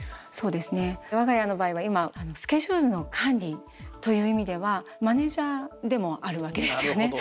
そうですね我が家の場合は今スケジュールの管理という意味ではマネージャーでもあるわけですよね。